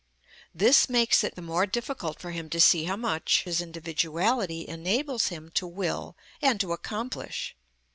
This makes it the more difficult for him to see how much his individuality enables him to will and to accomplish.